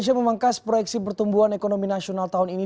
indonesia memangkas proyeksi pertumbuhan ekonomi nasional tahun ini